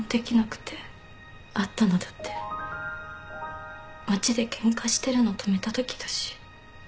会ったのだって街でケンカしてるの止めたときだし。